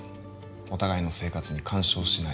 お互いの生活に干渉しない